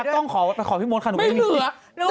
แต่ต้องขอพี่โมสค่ะหนูไม่เคย